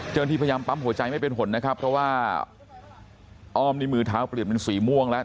เจ้าหน้าที่พยายามปั๊มหัวใจไม่เป็นผลนะครับเพราะว่าอ้อมนี่มือเท้าเปลี่ยนเป็นสีม่วงแล้ว